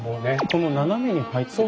この斜めに入った線。